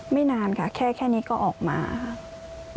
นานค่ะแค่นี้ก็ออกมาค่ะ